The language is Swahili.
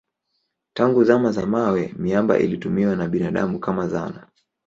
Tangu zama za mawe miamba ilitumiwa na binadamu kama zana.